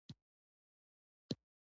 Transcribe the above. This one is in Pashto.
احمد لږ طاقت لري.